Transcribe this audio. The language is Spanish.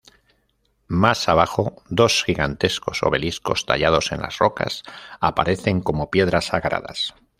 Más abajo, dos gigantescos obeliscos, tallados en las rocas, aparecen como piedras sagradas".